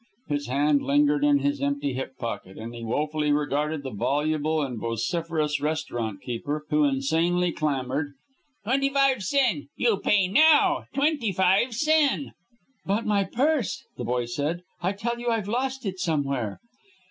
His hand lingered in his empty hip pocket, and he woefully regarded the voluble and vociferous restaurant keeper, who insanely clamored: "Twenty five sen! You pay now! Twenty five sen!" "But my purse!" the boy said. "I tell you I've lost it somewhere."